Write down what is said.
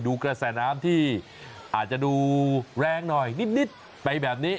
กระแสน้ำที่อาจจะดูแรงหน่อยนิดไปแบบนี้